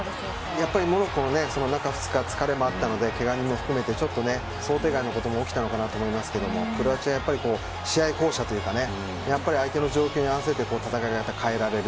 やっぱりモロッコは中２日疲れもあったのでけが人も含めてちょっと想定外のことも起きたのかなと思いますけどもクロアチアは試合巧者というか相手の状況に合わせて戦い方を変えられる。